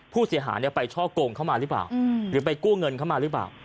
ผู้เสียหายไปช่อกงเข้ามาหรือเปล่าหรือไปกู้เงินเข้ามาหรือเปล่า